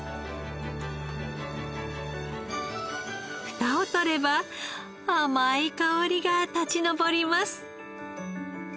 フタを取れば甘い香りが立ちのぼります。